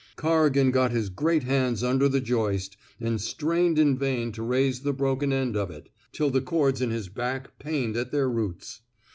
Corrigan got his great hands under the joist and strained in vain to raise the broken end of it, till the cords in his back pained at their roots.